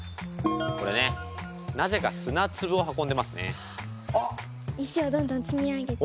これねなぜか砂つぶを運んでますね。